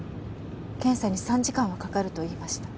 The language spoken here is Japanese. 検査に３時間はかかると言いました。